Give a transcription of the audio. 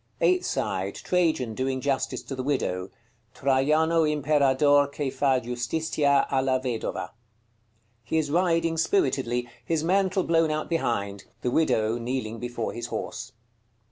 Eighth side. Trajan doing justice to the Widow. "TRAJANO IMPERADOR CHE FA JUSTITIA A LA VEDOVA." He is riding spiritedly, his mantle blown out behind: the widow kneeling before his horse.